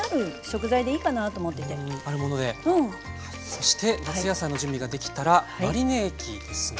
そして夏野菜の準備ができたらマリネ液ですね。